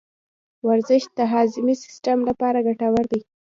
ورزش د هاضمي سیستم لپاره ګټور دی.